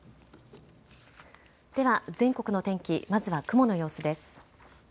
では全国の天気、まずは雲の様子です。